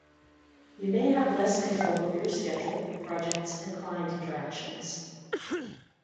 You may have less control over your schedule, projects, and client interactions.